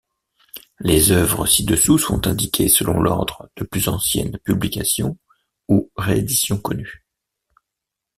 Les œuvres ci-dessous sont indiquées selon l'ordre de plus ancienne publication ou réédition connue.